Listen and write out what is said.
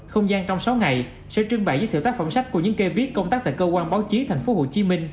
không gian trong sáu ngày sẽ trưng bày với thử tác phẩm sách của những kê viết công tác tại cơ quan báo chí tp hcm